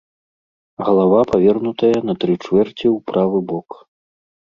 Галава павернутая на тры чвэрці ў правы бок.